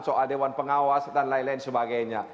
soal dewan pengawas dan lain lain sebagainya